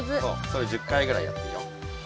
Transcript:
それ１０回ぐらいやっていいよ。